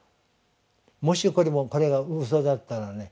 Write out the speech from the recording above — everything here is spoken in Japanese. もしこれがうそだったらね